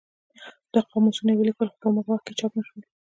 دوه قاموسونه یې ولیکل خو په هغه وخت کې چاپ نه شول.